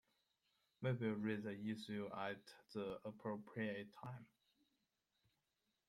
We will raise the issue at the appropriate time.